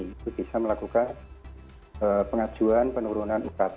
itu bisa melakukan pengajuan penurunan ukt